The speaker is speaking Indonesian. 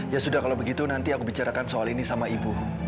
ya sudah kalau begitu nanti aku bicarakan soal ini sama ibu